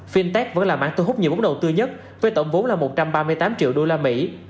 fintech vẫn là mảng thu hút nhiều vốn đầu tư nhất với tổng vốn là một trăm ba mươi tám triệu đô la mỹ